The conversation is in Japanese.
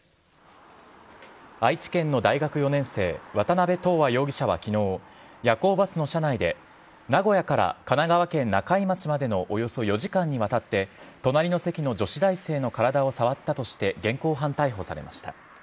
愛知県の大学４年生、渡辺斗亜容疑者はきのう、夜行バスの車内で名古屋から神奈川県中井町までのおよそ４時間にわたって、隣の席の女子大生の体を触ったとして現行犯逮捕されました。